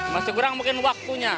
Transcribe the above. masih kurang mungkin waktunya